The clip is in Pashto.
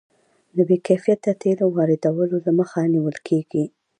د بې کیفیته تیلو واردولو مخه نیول کیږي.